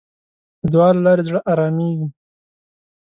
د دعا له لارې زړه آرامېږي.